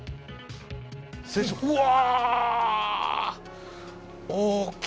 うわ。